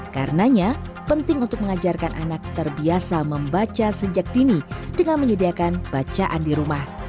karenanya penting untuk mengajarkan anak terbiasa membaca sejak dini dengan menyediakan bacaan di rumah